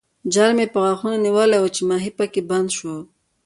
جال مې په غاښونو نیولی وو چې ماهي پکې بند شو.